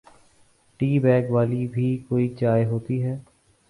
T bag والی بھی کوئی چائے ہوتی ہے؟